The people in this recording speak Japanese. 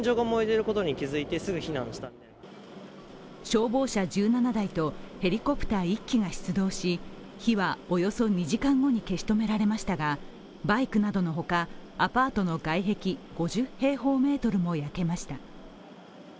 消防車１７台とヘリコプター１機が出動し火はおよそ２時間後に消し止められましたがバイクなどのほか、アパートの外壁５０平方メートルも焼けました。